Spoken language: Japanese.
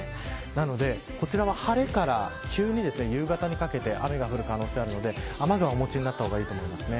なのでこちらは晴れから急に夕方にかけて雨が降る可能性があるので雨具はお持ちになった方がいいと思います。